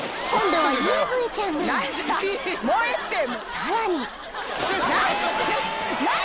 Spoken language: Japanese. ［さらに］